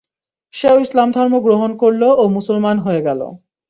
সেও ইসলাম ধর্ম গ্রহণ করল ও মুসলমান হয়ে গেল।